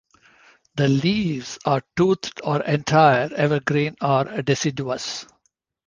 The leaves are toothed or entire, evergreen or deciduous.